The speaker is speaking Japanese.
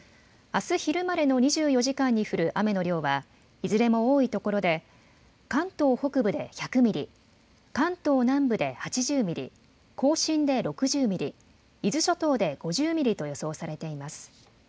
あす昼までの２４時間に降る雨の量はいずれも多いところで関東北部で１００ミリ、関東南部で８０ミリ、甲信で６０ミリ、伊豆諸島で５０ミリと予想されています。